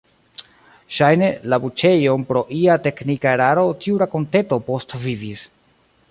Ŝajne, la buĉejon pro ia teknika eraro tiu rakonteto postvivis.